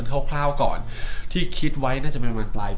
ก็อยากให้มันถูกต้องนิดนึงครับ